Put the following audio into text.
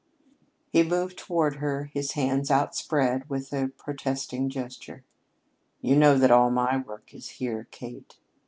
He moved toward her, his hands outspread with a protesting gesture. "You know that all my work is here, Kate.